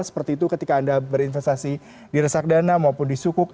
seperti itu ketika anda berinvestasi di resak dana maupun disukuk